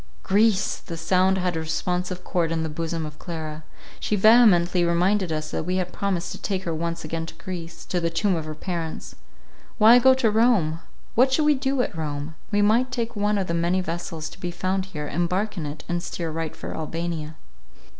Greece! The sound had a responsive chord in the bosom of Clara. She vehemently reminded us that we had promised to take her once again to Greece, to the tomb of her parents. Why go to Rome? what should we do at Rome? We might take one of the many vessels to be found here, embark in it, and steer right for Albania.